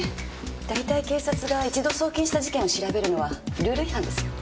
大体警察が一度送検した事件を調べるのはルール違反ですよ。